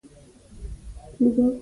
بېنډۍ په روغتیایي رژیم کې شامله وي